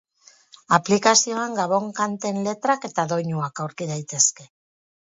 Aplikazioan gabon kanten letrak eta doinuak aurki daitezke.